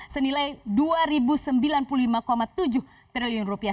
senilai dua sembilan puluh lima tujuh triliun rupiah